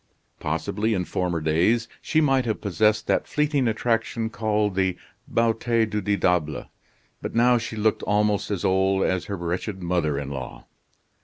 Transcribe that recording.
Possibly, in former days, she might have possessed that fleeting attraction called the beaute du diable; but now she looked almost as old as her wretched mother in law.